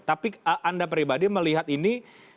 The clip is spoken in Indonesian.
tapi anda pribadi melihat ini